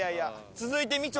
続いてみちょぱ。